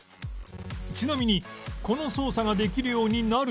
ちなみにこの操作ができるようになると